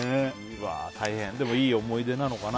でも、いい思い出なのかな。